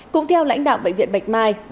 cũng theo lãnh đạo bệnh viện bạch mai